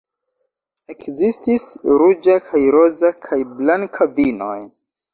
Ekzistis ruĝa kaj roza kaj blanka vinoj.